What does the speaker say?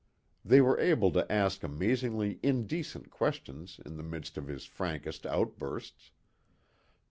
They were able to ask amazingly indecent questions in the midst of his frankest outbursts.